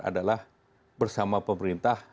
adalah bersama pemerintah